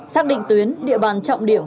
xác định tuyến địa bàn trọng điểm